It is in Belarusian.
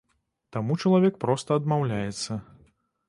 Таму чалавек проста адмаўляецца.